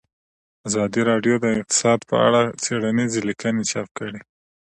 ازادي راډیو د اقتصاد په اړه څېړنیزې لیکنې چاپ کړي.